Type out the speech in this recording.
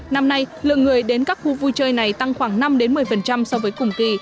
năm nay lượng người đến các khu vui chơi này tăng khoảng năm một mươi so với cùng kỳ